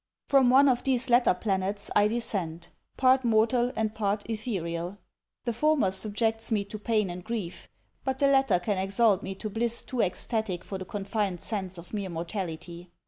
'From one of these latter planets, I descend part mortal and part etherial. The former subjects me to pain and grief; but the latter can exalt me to bliss too ecstatic for the confined sense of mere mortality.